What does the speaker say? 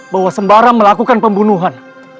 bahwa sembara melakukan pembunuhan